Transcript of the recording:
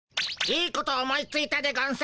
いいこと思いついたでゴンス。